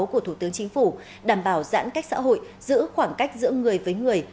của thủ tướng chính phủ đảm bảo giãn cách xã hội giữ khoảng cách giữa người với người